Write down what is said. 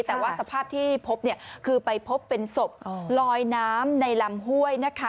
แต่ว่าสภาพที่พบคือไปพบเป็นศพลอยน้ำในลำห้วยนะคะ